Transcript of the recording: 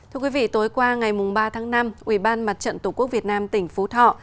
thưa quý vị tối qua ngày ba tháng năm ubnd tổ quốc việt nam tỉnh phú thọ